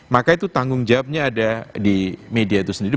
maka itu tanggung jawabnya ada di media itu sendiri